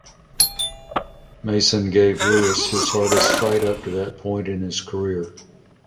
Mason gave Lewis his hardest fight up to that point in his career.